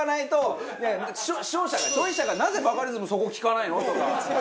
消費者が「なぜバカリズムそこ聞かないの？」とかそこに。